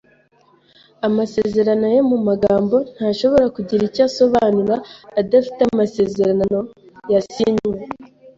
Amasezerano ye mu magambo ntashobora kugira icyo asobanura adafite amasezerano yasinywe.